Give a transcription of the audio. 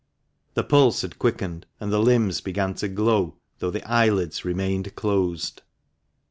The pulse had quickened and the limbs began to glow, though the eyelids remained closed.